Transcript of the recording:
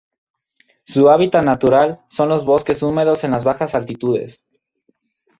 Su hábitat natural son los bosques húmedos en las bajas altitudes.